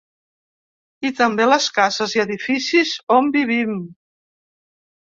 I també les cases i edificis on vivim.